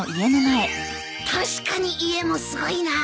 確かに家もすごいな！